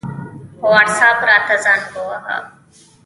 په وټساپ راته زنګ ووهه